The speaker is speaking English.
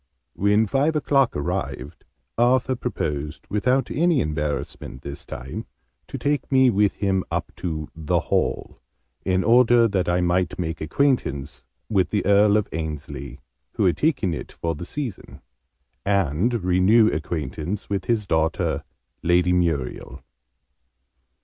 When five o'clock arrived, Arthur proposed without any embarrassment this time to take me with him up to 'the Hall,' in order that I might make acquaintance with the Earl of Ainslie, who had taken it for the season, and renew acquaintance with his daughter Lady Muriel.